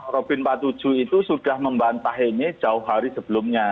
robin empat puluh tujuh itu sudah membantah ini jauh hari sebelumnya